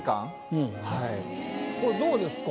これどうですか？